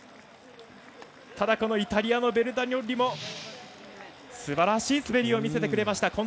ただイタリアのベルタニョッリもすばらしい滑りを見せてくれました。